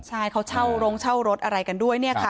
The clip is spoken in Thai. ใช่เขาเช่าโรงเช่ารถอะไรกันด้วยเนี่ยค่ะ